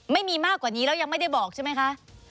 ไม่มีมากกว่านี้แล้วยังไม่ได้บอกใช่ไหมคะ